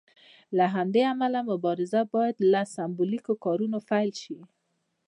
له همدې امله مبارزه باید له سمبولیکو کارونو پیل شي.